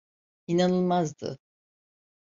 İnanılmazdı.